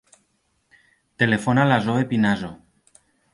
Telefona a la Zoè Pinazo.